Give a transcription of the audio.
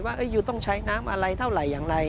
ยูต้องใช้น้ำอะไรเท่าไหร่อย่างไร